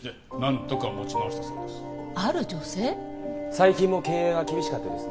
最近も経営が厳しかったようですね。